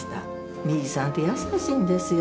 リーチさんって優しいんですよ